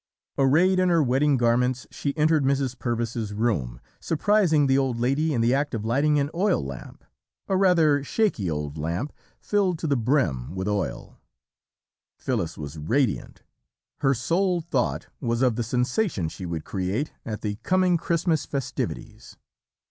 "Arrayed in her wedding garments she entered Mrs. Purvis's room, surprising the old lady in the act of lighting an oil lamp a rather 'shaky' old lamp filled to the brim with oil. "Phyllis was radiant; her sole thought was of the sensation she would create at the coming Christmas festivities.